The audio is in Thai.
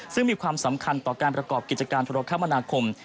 ซึ่งมีความสำคัญต่อการประกอบกิจการธุรกรรมนาคม